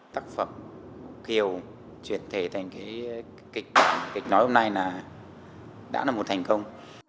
tác phẩm kiều chuyển thể thành cái kịch nói hôm nay là đã là một thành công